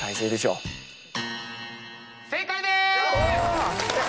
正解でーす！